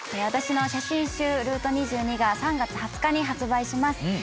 私の写真集『Ｒ２２』が３月２０日に発売します。